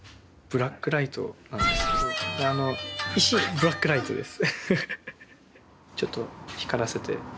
ブラックライトです。